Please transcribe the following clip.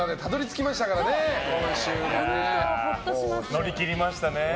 乗り切りましたね。